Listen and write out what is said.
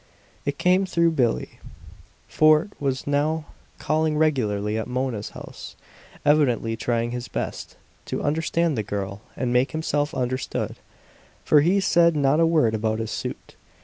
It came through Billie. Fort was now calling regularly at Mona's house, evidently trying his best to understand the girl and make himself understood; for he said not a word about his suit.